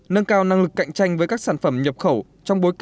nâng cao năng lực cạnh tranh với các sản phẩm nhập khẩu